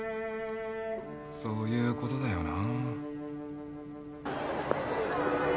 そういうことだよな。